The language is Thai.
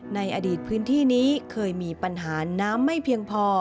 ในอดีตพื้นที่นี้เคยมีปัญหาน้ำไม่เพียงพอ